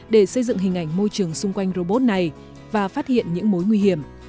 để xây dựng hình ảnh môi trường xung quanh robot này và phát hiện những mối nguy hiểm